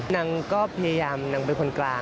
นางก็พยายามนางเป็นคนกลาง